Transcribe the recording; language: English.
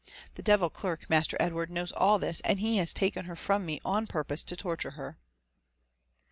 The devil clerk. Master Edward, kaows all this, aud he has taken her from me on purpose to torture her."